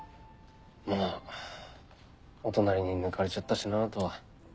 まあお隣に抜かれちゃったしなとは。